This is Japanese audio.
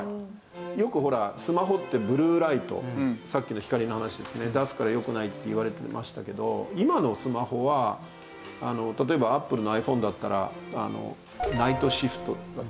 よくほらスマホってブルーライトさっきの光の話ですね出すからよくないっていわれてましたけど今のスマホは例えばＡｐｐｌｅのｉＰｈｏｎｅだったらＮｉｇｈｔＳｈｉｆｔだったかな？